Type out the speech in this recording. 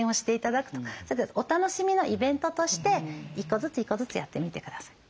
お楽しみのイベントとして１個ずつ１個ずつやってみて下さい。